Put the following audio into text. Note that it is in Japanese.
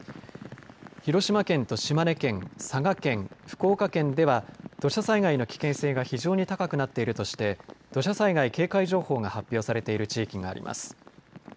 広島県と島根県、佐賀県、福岡県では、土砂災害の危険性が非常に高くなっているとして、土砂災害警戒情報が発表されている地域があります。